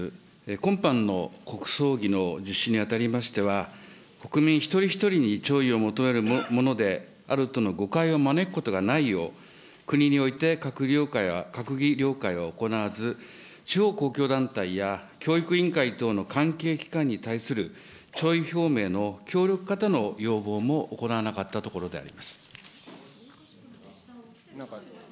今般の国葬儀の実施にあたりましては、国民一人一人に弔意を求めるものであるとの誤解を招くことがないよう、国において閣議了解は行わず、地方公共団体や教育委員会等の関係機関に対する弔意表明の協力方の要望も行わなかったところであります。